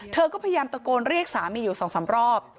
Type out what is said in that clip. เธอก็พยายามตะโกนเรียกสามีอยู่๒๓รอบ